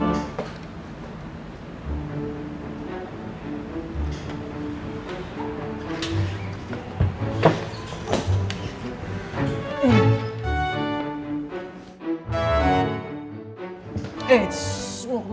eh mau kemana sih